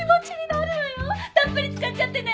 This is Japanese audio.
たっぷり使っちゃってね！